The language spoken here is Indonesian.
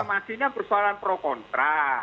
reklamasinya persoalan pro kontra